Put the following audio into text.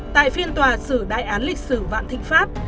tại phiên tòa xử đại án lịch sử vạn thịnh pháp